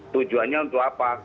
tujuannya untuk apa